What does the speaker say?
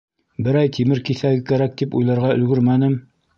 Берәй тимер киҫәге кәрәк тип уйларға өлгөрмәнем...